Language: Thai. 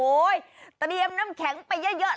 โอ๊ยตอนนี้ยังน้ำแข็งไปเยอะ